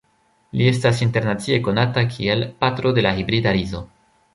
Li estas internacie konata kiel "patro de la hibrida rizo".